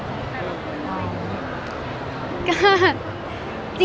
เป็นแฟนของแฟนเราคืออะไร